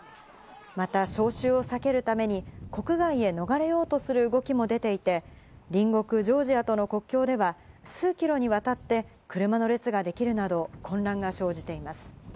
また、招集を避けるために国外へ逃れようとする動きも出ていて、隣国ジョージアとの国境では数キロにわたって車の列ができるなど混乱が生じています。